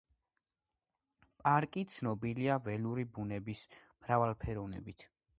პარკი ცნობილია ველური ბუნების მრავალფეროვნებით.